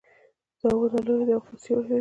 دا ونه لویه ده او ښه سیوري لري